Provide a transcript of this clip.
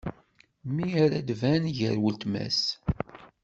Mi ara d-tban gar watma-s.